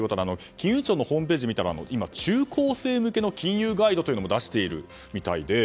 金融庁のホームページを見たら今、中高生向けの金融ガイドも出しているみたいで。